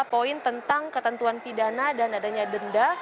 poin tentang ketentuan pidana dan adanya denda